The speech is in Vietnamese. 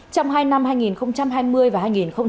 trong hai năm hai nghìn hai mươi và hai nghìn hai mươi một